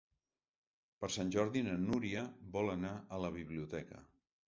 Per Sant Jordi na Núria vol anar a la biblioteca.